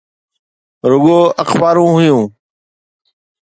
رڳو اخبارون هيون.